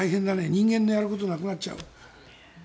人間のやることなくなっちゃう。